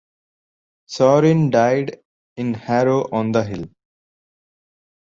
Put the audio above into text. Saurin died in Harrow on the Hill.